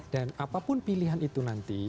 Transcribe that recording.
dan apapun pilihan itu nanti